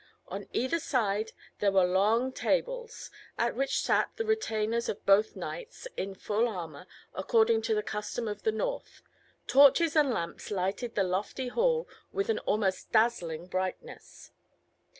On either side there were long tables, at which sat the retainers of both knights in full armour, according to the custom of the North. Torches and lamps lighted the lofty hall with an almost dazzling brightness.